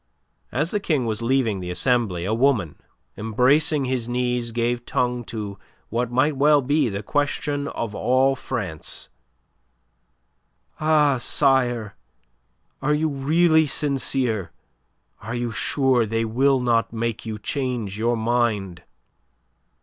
As the King was leaving the Assembly, a woman, embracing his knees, gave tongue to what might well be the question of all France: "Ah, sire, are you really sincere? Are you sure they will not make you change your mind?"